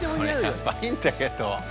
これやばいんだけど。